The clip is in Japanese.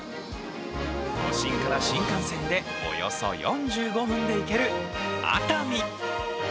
都心から新幹線でおよそ４５分で行ける熱海。